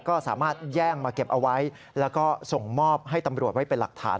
ก็สามารถแย่งมาเก็บเอาไว้แล้วก็ส่งมอบให้ตำรวจไว้เป็นหลักฐาน